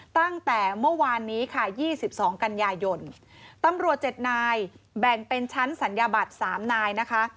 ตั้งแต่เมื่อวานนี้ค่ะยี่สิบสองกัญญายนตำรวจเจ็ดนายแบ่งเป็นชั้นสัญญาบัตรสามนายนะคะ